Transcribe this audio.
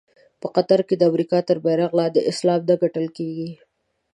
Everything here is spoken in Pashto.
په قطر کې د امریکا تر بېرغ لاندې اسلام نه ګټل کېږي.